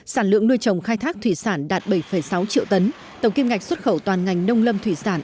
sản lượng nuôi trồng khai thác thủy sản đạt bảy sáu triệu tấn tổng kim ngạch xuất khẩu toàn ngành nông lâm thủy sản